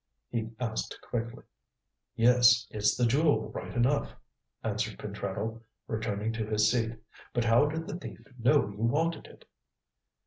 he asked quickly. "Yes, it's the Jewel right enough," answered Pentreddle, returning to his seat. "But how did the thief know you wanted it?"